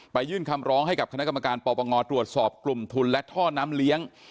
ยื่นคำร้องให้กับคณะกรรมการปปงตรวจสอบกลุ่มทุนและท่อน้ำเลี้ยง